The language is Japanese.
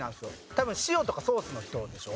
多分塩とかソースの人でしょ？